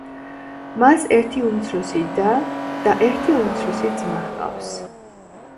მას ერთი უმცროსი და და ერთი უმცროსი ძმა ჰყავს.